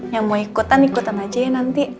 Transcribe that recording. yang mau ikutan ikutan aja ya nanti